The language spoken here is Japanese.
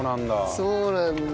そうなんだ。